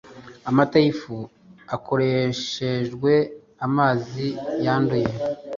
amata y'ifu akoreshejwe amazi yanduye